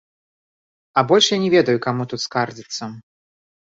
А больш я не ведаю, каму тут скардзіцца.